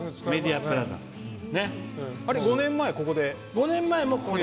５年前も、ここで。